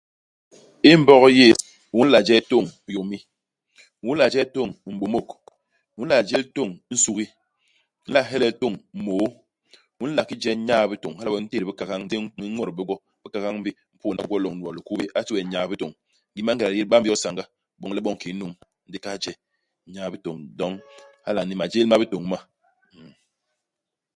I Mbog yés, u nla je tôñ yômi ; u nla je tôñ m'bômôk. U nla jél toñ i nsugi ; u nla helel tôñ môô. U nla ki je nyaa-bitôñ, hala wee u ntét bikagañ ndi u u ñwot bé gwo. Ibikagañ bi, u mpôdna gwo lôñni bo likubé, a ti we nyaa-bitôñ. Ngim i mangéda, di yé di bamb yo i sanga, iboñ le i boñ kiki i num ndi u kahal je nyaa-bitôñ. Doñ, hala ni, majél ma bitôñ ma. Mhm.